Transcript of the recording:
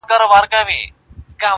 • ستا په ډېرو ښایستو کي لویه خدایه,